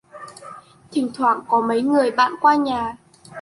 Thỉnh thoảng có mấy người bạn qua nhà